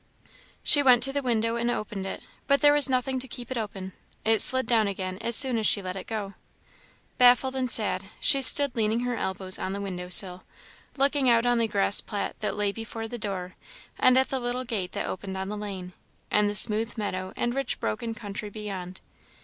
She went to the window and opened it, but there was nothing to keep it open; it slid down again as soon as she let it go. Baffled and sad, she stood leaning her elbows on the window sill, looking out on the grass plat that lay before the door, and the little gate that opened on the lane, and the smooth meadow and rich broken country beyond.